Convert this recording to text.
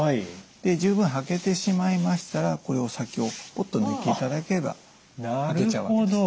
で十分履けてしまいましたらこれを先をポッと抜いていただければ履けちゃうわけです。